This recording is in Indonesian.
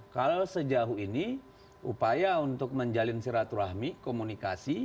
kalau sejauh ini upaya untuk menjalin sirat rahmi komunikasi